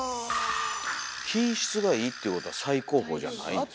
品質がいいってことは最高峰じゃないんですか？